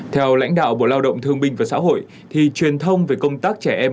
theo lãnh đạo bộ lao động thương binh và xã hội thì truyền thông về công tác trẻ em